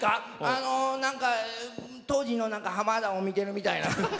あの何か当時の浜田を見てるみたいな。